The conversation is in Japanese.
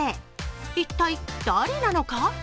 一体誰なのか？